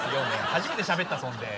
初めてしゃべったそんで。